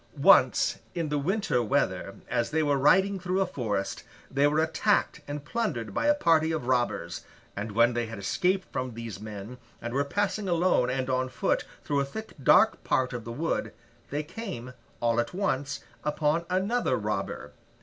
Once, in the winter weather, as they were riding through a forest, they were attacked and plundered by a party of robbers; and, when they had escaped from these men and were passing alone and on foot through a thick dark part of the wood, they came, all at once, upon another robber.